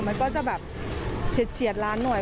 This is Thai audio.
มันก็จะแบบเฉียดล้านหน่อย